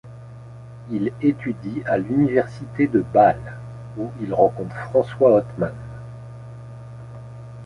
Il étudie à l'université de Bâle, où il rencontre François Hotman.